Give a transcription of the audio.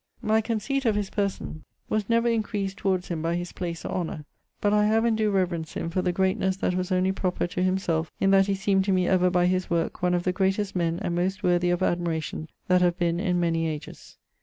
My conceit of his person was never increased towards him by his place or honour, but I have and doe reverence him for the greatnesse that was only proper to himselfe in that he seem'd to me ever by his worke one of the greatest men and most worthy of admiration that have been in many ages.